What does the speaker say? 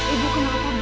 ibu kenapa bu